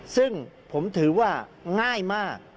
ซึ่งผมถือว่าง่ายมาก